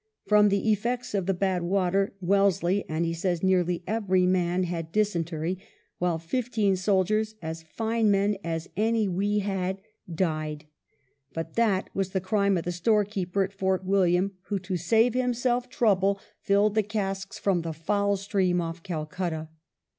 From the effects of the bad water Wellesley and, he says, nearly every man, had dysentery, while fifteen soldiers, "as fine men as any we had,'^ died ; but that was the crime of the store keeper at Fort William, who, to save himself trouble, 11 PROCEEDS TO MADRAS 29 filled the casks from the foul stream off Calcutta